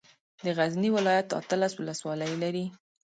د غزني ولايت اتلس ولسوالۍ لري.